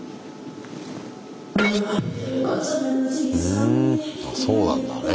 ふんそうなんだね。